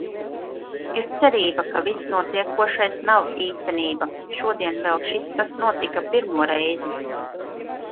Ir cerība, ka viss notiekošais nav īstenība. Šodien vēl šis tas notika pirmo reizi.